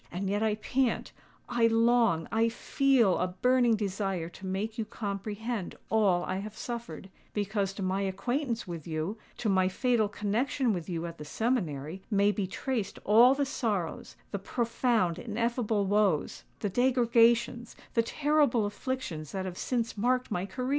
And yet I pant—I long—I feel a burning desire to make you comprehend all I have suffered;—because to my acquaintance with you—to my fatal connexion with you at the seminary—may be traced all the sorrows—the profound, ineffable woes—the degradations—the terrible afflictions that have since marked my career!"